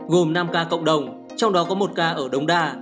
gồm năm ca cộng đồng trong đó có một ca ở đống đa